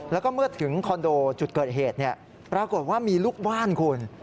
แล้วก็เมื่อถึงคอนโดจุดเกิดเหตุปรากฏว่ามีลูกบ้านคุณ